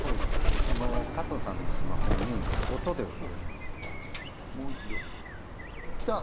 その加藤さんのスマホに音で送れるんですよ来た！